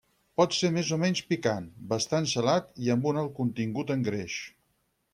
Pot ser més o menys picant, bastant salat i amb un alt contingut en greix.